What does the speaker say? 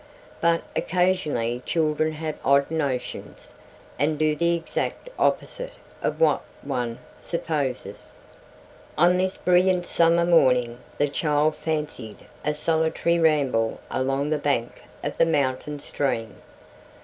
But occasionally children have odd notions, and do the exact opposite of what one supposes. On this brilliant summer morning the child fancied a solitary ramble along the bank of the mountain stream.